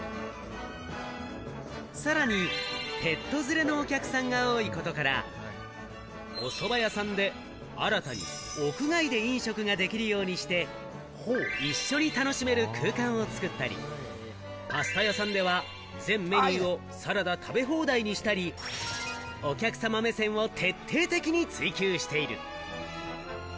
さらにペット連れのお客さんが多いことから、お蕎麦屋さんで新たに屋外で飲食ができるようにして、一緒に楽しめる空間を作ったり、パスタ屋さんでは全メニューをサラダ食べ放題にしたり、お客様目線を徹底的に追求している。